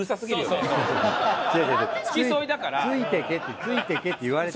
ついていけってついていけって言われて。